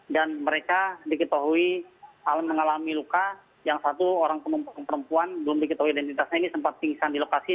dan mereka diketahui mengalami luka yang satu orang perempuan belum diketahui identitasnya ini sempat tinggikan di lokasi